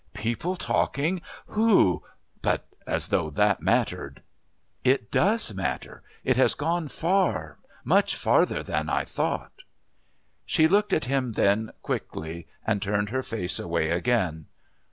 "People talking? Who?...But as though that mattered." "It does matter. It has gone far much farther than I thought." She looked at him then, quickly, and turned her face away again.